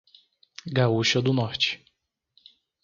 Gaúcha do Norte